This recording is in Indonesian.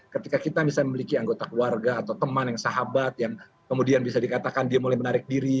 ketika kita misalnya memiliki anggota keluarga atau teman yang sahabat yang kemudian bisa dikatakan dia mulai menarik diri